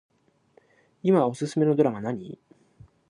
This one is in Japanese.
いまおすすめのドラマ何